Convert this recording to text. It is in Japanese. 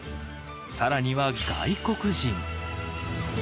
更には外国人。